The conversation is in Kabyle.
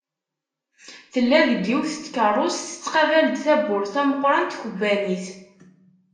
Tella deg yiwet tkerrust tettqabal-d tawwurt tameqqrant n tkebbanit.